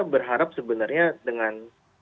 berharap sebenarnya dengan